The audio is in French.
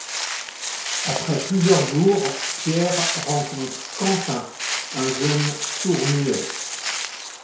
Après plusieurs jours, Pierre rencontre Quentin, un jeune sourd-muet.